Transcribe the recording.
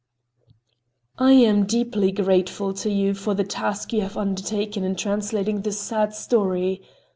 I am deeply grateful to you for the task you have undertaken in translating this sad story.